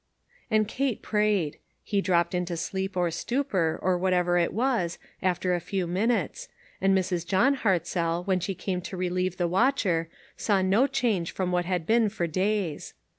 And Kate prayed. He dropped into sleep or stupor, or whatever it was, after a few minutes, and Mrs. John Hartzell, when she came to relieve the watcher, saw no change from what had been for days.